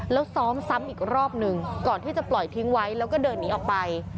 แล้วซ้อมซ้ำอีกรอบหนึ่งก่อนที่จะปล่อยทิ้งไว้แล้วก็เดินหนีออกไป